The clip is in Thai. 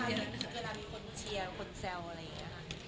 เวลามีคนเชียร์คนแซวอะไรอย่างนี้ค่ะ